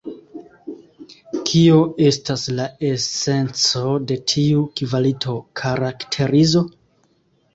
Kio estas la esenco de tiu kvalito-karakterizo?